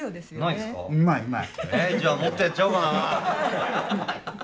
えじゃあもっとやっちゃおうかな。